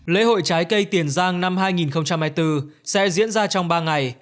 lễ hội trái cây tiền giang năm hai nghìn hai mươi bốn sẽ diễn ra trong ba ngày